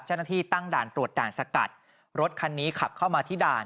เจ้าหน้าที่ตั้งด่านตรวจด่านสกัดรถคันนี้ขับเข้ามาที่ด่าน